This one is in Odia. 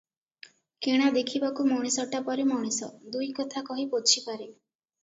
କିଣା ଦେଖିବାକୁ ମଣିଷଟା ପରି ମଣିଷ, ଦୁଇ କଥା କହି ପୋଛି ପାରେ ।